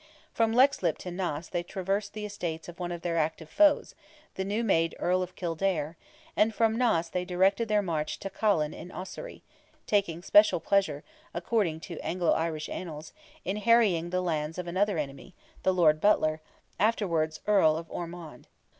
From Leixlip to Naas they traversed the estates of one of their active foes, the new made Earl of Kildare, and from Naas they directed their march to Callan in Ossory, taking special pleasure, according to Anglo Irish Annals, in harrying the lands of another enemy, the Lord Butler, afterwards Earl of Ormond.